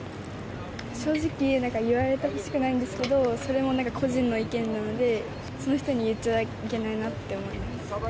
正直、言われてほしくないんですけど、それもなんか個人の意見なので、その人に言っちゃいけないなって思います。